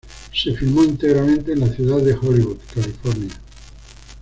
Se filmó íntegramente en la ciudad de Hollywood, California.